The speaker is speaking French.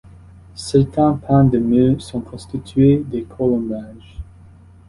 Certains pans de mur sont constitués de colombages.